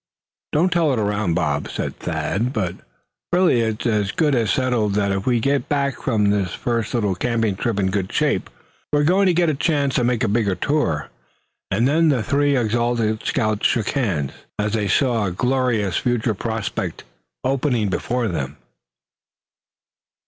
"Don't tell it around, Bob," said Thad, quietly, "but really it's as good as settled that if we get back from this first little camping trip in good shape, we're going to get the chance to make a bigger tour," and then the three exultant scouts shook hands, as they saw a glorious future prospect opening before them.